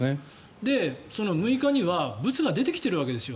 で、その６日には物が出てきているわけですよ。